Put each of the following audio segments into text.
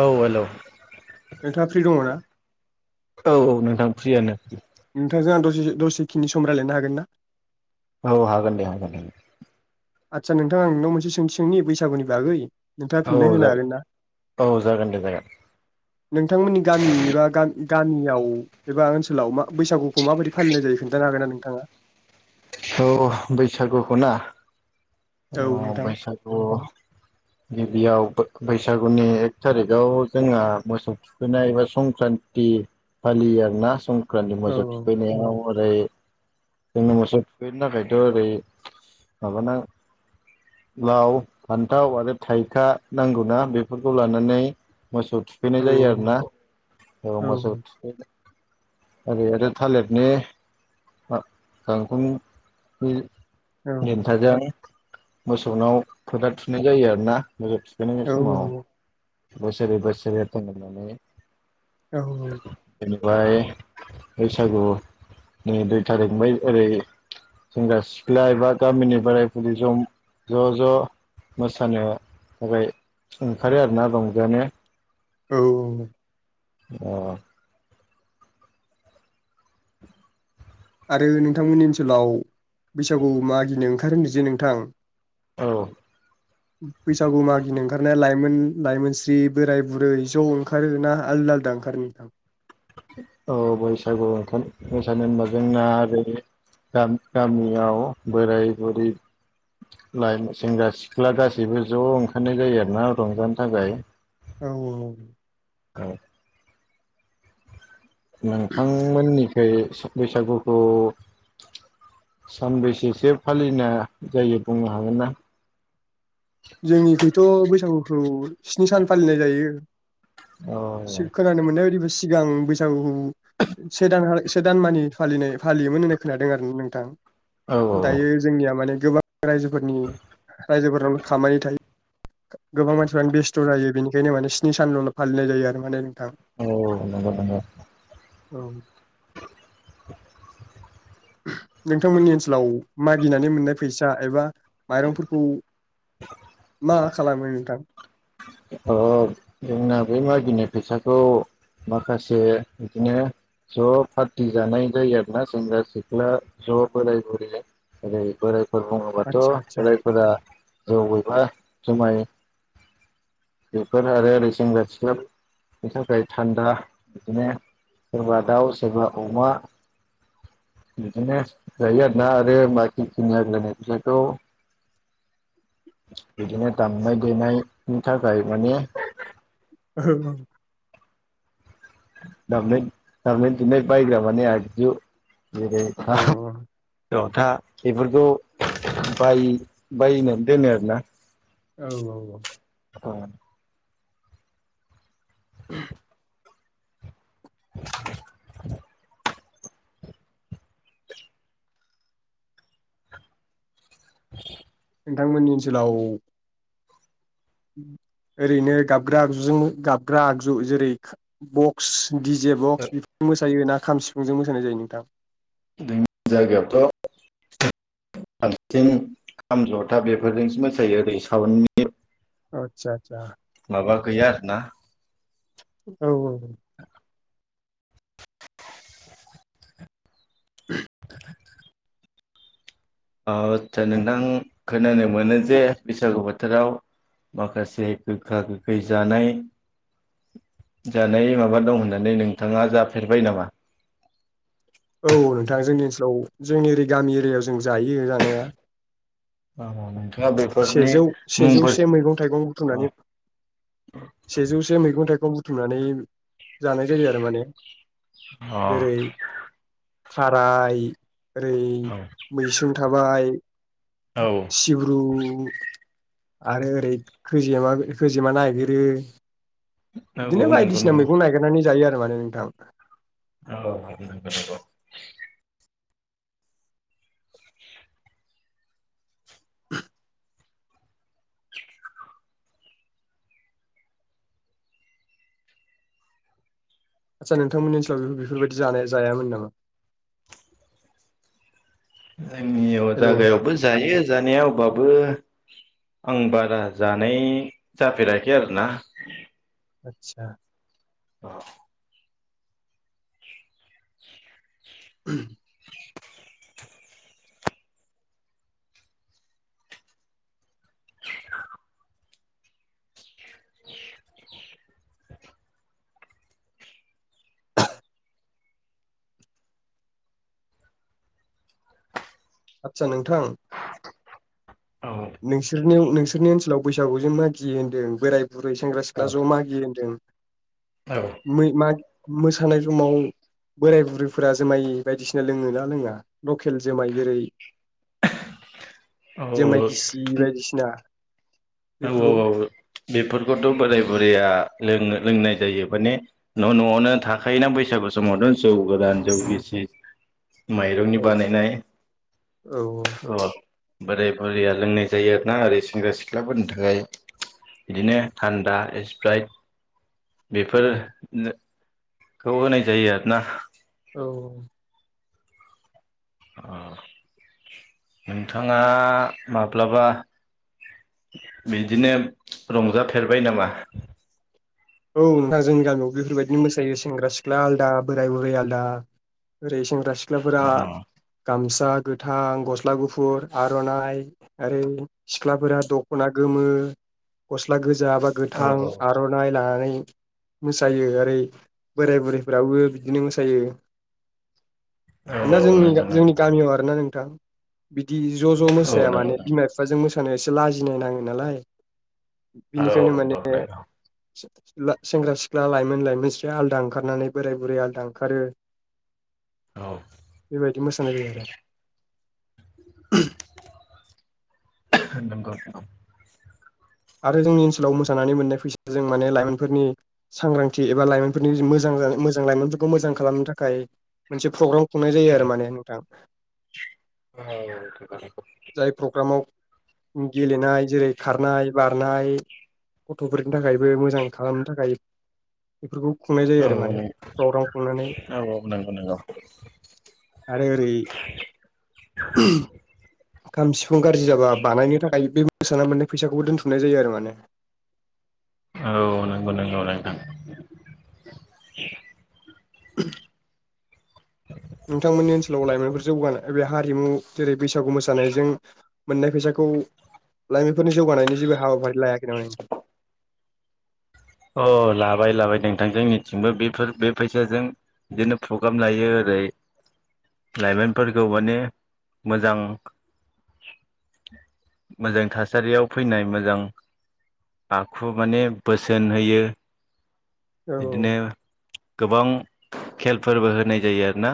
औ हेलौ नोंथाङा फ्रि दङ ना? औ औ नोंथां फ्रियानो नोंथांजों आं दसे दसेखिनि सम रायलायनो हागोन ना? औ हागोन दे हागोन दे आदसा नोंथाङां नोंनाव मोनसे सोंथि सोंनि बैसागुनि बागै नोंथाङा औ फिननो होनो जागोन हागोन ना औ जागोन दे जागोन नोंथांमोननि गामि एबा गा गामियाव एबा ओनसोलाव मा बैसागुखौ माबायदि फालिनाय जायो खोनथानो हागोन ना नोंथाङा? औ बैसागुखौना अ औ नोंथां बैसागु गिबियाव बैसागुनि एक थारिखाव जोंहा मोसौ थुखैनाय एबा संक्रान्ति फालियो आरोना सं ख्रानि औ मोसौ‌ थुखैनायाव हरै जोंनो मोसौ बेनि थाखायथ' ओरै माबाना लाव फानथाव आरो थाइखा नांगौना बेफोरखौ लानानै मोसौ थुखैनाय औ जायो आरोना औ मोसौ थुखैनाय ओरै आरो थालिरनि फा गांखं बे देनथाजों मोसौनाव फोथा थुनाय जायो आरोना मोसौ थुखैनाय औ समाव बोसोरै बोसोरै एरथों होननानै औ औ ब्लाय बैसागुनि दुइ थारिखनिफ्राय ओरै सेंग्रा-सिख्ला एबा गामिनि बोराय-बुरै जम ज' ज' मोसानो थाखाय ओंखारो आरोना रंजानो औ औ अ आरो नोंथांमोननि ओनसोलाव बैसागु मागिनो ओंखारो होनदों जे नोंथां औ बैसागु मागिनो ओंखारनायालाय मोन लाइमोनस्रि बोराय-बुरै ज' ओंखारो ना आलदा आलदा ओंखारो नोंथां औ बैसागु ओंखार मोसानो होनबा जोंना ओरै गाम गामियाव बोराय-बुरै लाइमोन सेंग्रा-सिख्ला गासैबो ज' ओंखारनाय जायो आरोना रंजानो थाखाय औ औ औ नोंथांमोननिखै बैसागुखौ सानबैसेसो फालिनाय जायो बुंनो हागोन ना? जोंनिखैथ' बैसागुखौ स्नि सान फालिनाय जायो औ सि खोनानो मोननाय बायदिब्ला सिगां बैसागुखौ से दानहा से दान मानि फालिनाय फालियोमोन होननाय खोनादों आरो ना नोंथां औ दायो औ जोंनिया माने गोबां रायजोफोरनि रायजोफोर थायो गोबां मानसिफ्रानो बेस्थ' जायो बेनि बेनि माने स्नि सानल' फालिनाय जायो आरो माने नोंथां औ नंगौ नंगौ औ नोंथांमोननि ओनसोलाव मागिनानै मोननाय फैसा एबा माइरंफोरखौ मा खालामो नोंथां? अ जोंना बे मागिनाय फैसाखौ माखासे बिदिनो ज' पार्टि जानाय जायो आरोना सेंग्रा सिख्ला ज' बोराय बुरै ओरै बोराय- फोर बुङोबाथ' आदसा आदसा बोराइफोरा जौ एबा जुमाय बेफोर आरो ओरै सेेंग्रा सिखलाफोरनि थाखाय थान्दा बिदिनो सोरबा दाउ सोरबा अमा बिदिनो जायो आरोना आरो बाखि खिनि आग्लायनाय फैसाखौ [inaudible] बिदिनो दामनाय देनाय नि थाखाय माने [unintelligible] दामनाय दामनाय देनाय बायग्रा मानि आगजु बि दै औ [unintelligible] जथा बेफोरखौ बाय बायनानै दोनो आरोना औ औ औ औ [inaudible] [inaudible] [inaudible] नोंथांमोननि ओनसोलाव ओरैनो गाबग्रा आगजुजों गाबग्रा आगजु जेरै बक्स दिजे बक्स बेफोरजों मोसायोना खाम सिफुंजों मोसानाय जायो नोंथां जोंनि जायगायावथ' बांसिन खाम जथा बेफोरजोंसो मोसायो ओरै साउन्डनि आतसा आतसा माबा गैया आरो ना औ औ औ [inaudible] ओ आदसा नोंथां खोनानो मोनो जे बैसागु बोथोराव माखासे गोखा गोखै जानाय जानाय माबा दं होननानै नोंथाङा जाफेरबाय नामा? औ नोंथां जोंनि औ जोंनि ओरै गामि एरियायाव जों जायो जानाया [unintelligible] सेजौ मुंफोर सेजौसे मैगं थाइगं अ बुथुमनानै सेजौसे मैगं थाइगं बु थुमनानै जानाय जायो आरो माने जेरै थाराय ओरै मैसुं थाबाय औ सिब्रु आरो ओरै खोजेमा खोजिमा नायगिरो नंगौ बिदिनो नंगौ बायदिसिना नंगौ मैगं नागिरनानै जायो आरो सो मानो नोंथां औ नंगौ नोंथां नंगौ आतसा नोंथांमोननि ओनसोलाव बेफोरबायदि जानाया जायामोन नामा जोंनियाव हेलौ नोंथां जागायावबो जायो जानाया अबाबो आं बारा जानाय जाफेराखै आरोना आतसा औ [unintelligible] [inaudible] आदसा नोंथां [inaudible] नोंसोरनियाव नोंसो सोरनि ओनसोलाव बैसागु जे मागियो होनदों बोराय बुरै सेंग्रा सिख्ला औ ज'मागियो होनदों मै मा मोसानाय समाव बोराय बुरैफोरा जुमाय बायदिसिना लोङो ना लोङा लकेल जुमाय जेरै जोमाय औ गिसि बायदिसिना औ औ बेफोरखौ औ बेफोरखौथ' बोराय बुरैया लोङो लोंनाय जायो माने न' न'आवनो थाखायोना बैसागु समावनो जौ गोरान जौ गिसि माइरंनि औ बानायनाय औ अ बोराय बुरैया लोंनाय जायो आरोना ओरै सेंग्रा सिख ख्लाफोरनि थाखाय बिदिनो थान्दा सिप्राइट बेफोर औ नो खौ होनाय जायो आरोना औ औ अ नोंथाङा माब्लाबा बिदिनो रंजाफेरबाय नामा औ नोंथां जोंनि गामियावबो बेफोरबायदिनो मोसायो सेंग्रा सिख्ला आलदा बोराय बुरै आलदा ओरै सें ग्रा अ सिख्लाफोरा गामस सा गोथां गस्ला गुफुर आर'नाइ ओरै सिख्लाफोरा दख'ना गोमो गस स्ला गोजा बा औ गोथां औ आर'नाइ नां नै मोसायो ओरै बोराइ बुरैफोराबो बिदिनो मोसायो मानोना औ जोंनि नंगौ जोंनि नंगौ गामियाव आरोना नोंथां बिदि ज' ज' औ मोसाया नंगौ माने नंगौ बिमा बिफाजों मोसा माने एसे लाजिनाय नाङो नालाय औ औ बिनिखायनो माने नंगौ ला सेंग्रा सिख्ला लाइमोन लाइमोनस्रि आलदा ओंखारनानै बोराय बुरै आलादा ओंखारो औ बेबायदि मोसानाय जायो आरो [unintelligible] [unintelligible] नंगौ नोंथां आरो जोंनि ओनसोलाव मोसानानै मोननाय फैसाजों माने लाइमोनफोरनि सांग्रांथि एबा लाइमोनफोरनि मोजां मोजां लाइमोनफोरखौ मोजां खालामनो थाखाय मोनसे प्रग्राम खुंनाय जायो आरो माने नोंथां औ जाय प्रग्रामाव गेलेनाय जेरै खारनाय बारनाय गथ'फोरनि थाखायबो मोजां खालामनो थाखाय बेफोरखौ खुंनाय जायो औ आरो माने प्रग्राम खुंनानै नंगौ नंगौ आरो ओरै खाम सिफुं गारजि जाबा बानायनो थाखाय बे मोसाना मोननाय फैसाखौबो दोन्थुमनाय जायो आरो माने औ नंगौ नंगौ नोंथां [unintelligible] नोंथांमोननि ओनसोलाव लाइमोनफोर जौगानाय बे हारिमु जेरै बैसागु मोसानायजों मोननाय फैसाखौ लाइमोनफोरनि जौगानायनि जेबो हाबाफारि लायाखै नामा अ लाबाय लाबाय नोंथां जोंनिथिंबो बेफोर बे फैसाजों बिदिनो प्रग्राम लायो ओरै लाइमोनफोरखौ माने मोजां मोजां थासारियाव फैनाय मोजां आखु माने बोस सोन होयो औ बिदिनो गोबां खेलफोरबो होनाय जायो आरो ना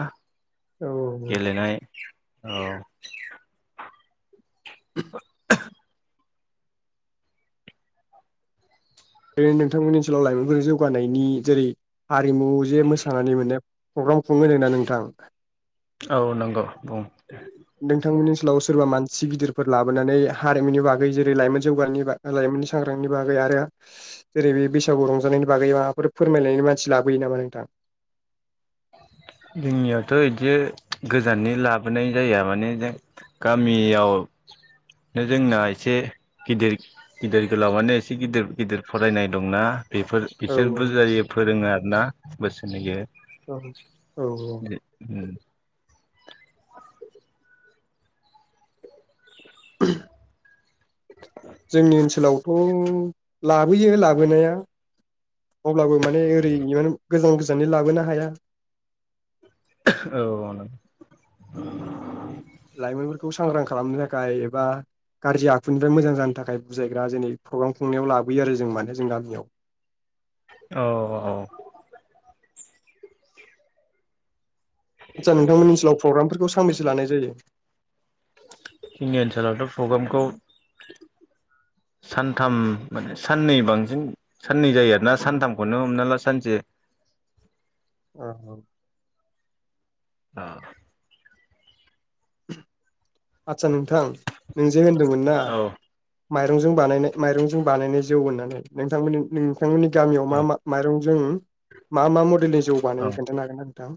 औ गेलेनाय औ [inaudible] बै नोंथांमोननि ओनसोलाव लाइमोनफोरजों जौगानायनि जेरै हारिमु जे मोसानानै मोनो प्रग्राम खुङो होनोना नोंथां औ नंगौ बुं नोंथांमोननि [unintelligible] सोरबा मानसि गिदिरफोर लाबोनानै हारिमुनि बागै जेरै लाइमोन जौगानायनि बाग लाइमोननि सांग्रांनि बागै आरो जेरै बे बैसागु रंजानायनि बागै माबाफोर फोरमायनायनि मानसि लाबोयो नामा नोंथां जोंनियावथ' यिदि गोजाननि लाबोनाय जाया माने जों गामियावनो जोंना एसे गिदिर गिदिर गोलावानो एसे गिदिर गिदिर फरायनाय दंना बेफोर औ बिसोर बुजायो फोरोङो आरो ना बोसोन होयो‌ औ-औ जोंनि ओनसोलावथ' लाबोयो लाबोनाया अब्लाबो माने ओरै [unintelligible] गोजान गोजानै लाबोनो हाया औ [inaudible] लाइमोनफोरखौ सांग्रां खालामनो थाखाय एबा गाज्रि आखुनिफ्राय मोजां जानो थाखाय बुजायग्रा जेनै प्रग्राम खुंनायाव लाबोयो आरो जों माने जों गामियाव औ - औ आदसा नोंथां मोननि ओनोलाव प्रग्राम फोरखौ सो फांनैसो लानाय जायो जोंनि ओनसोलावथ' प्रग्रामखौ सानथाम माने साननै बांसिन साननै जायो आरोना सानथामखौनो हमना ला सानसे औ औ [unintelligible] आदसा नोंथां नोंजे होनदोंमोन ना औ माइरंजों बानायनाय माइरंजों बानायनाय जौ होननानै नोंथांमोननि नों बिथांमोननि गामियाव मा मा माइरं जों मा मा मडेलनि जौ औ बानायो खोन्थानो हागोन ना नोंथां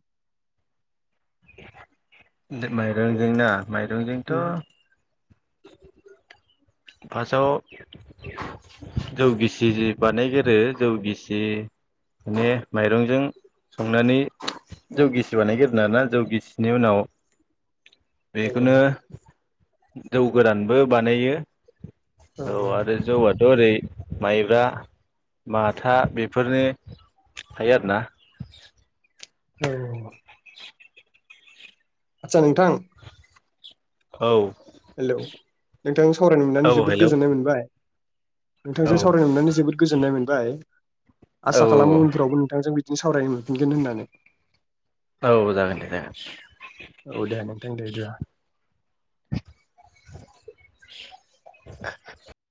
माइरंजोंना माइरंजोंथ' फार्स्टआव जौ गिसि बानायगोरो जौ गिसि ने माइरंजों संनानै जौ गिसि बानायगोरो आरोना जौ गिसिनि उनाव बेखौनो जौ गोरानबो बानायो [inaudible] औ आरो जौवा थ ओरै माइब्रा माथा बेफोरनि थायो आरोना औ आतसा नोंथां औ हेलौ नोंथांजों सावरायनो औ मोननानै जोबोद हेलौ गोजोननाय मोनबाय औ नोंथांजों सावरायनो मोननानै जोबोद गोजोननाय मोनबाय आसा औ खालामो औ उनफोरावबो नोंथांजों बि दिनो सावरायनो मोनफिनगोन होननानै औ जागोन दे जागोन औ दे नोंथां दे बिदिबा [inaudible]